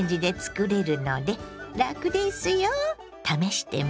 試してみてね。